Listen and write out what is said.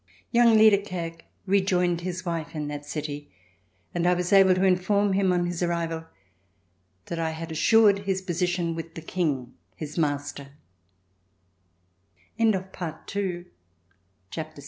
Young Liedekerke rejoined his wife in that city, and I was able to inform him on his arrival that I had assured his position with the King, his master.